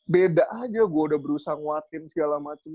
beda aja gue udah berusaha nguatin segala macam